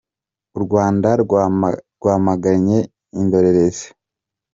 U Rwanda rwamaganye indorerezi